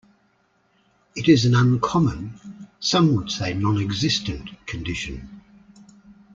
It is an uncommon, some would say nonexistent, condition.